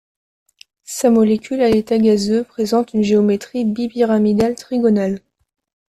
Sa molécule à l'état gazeux présente une géométrie bipyramidale trigonale.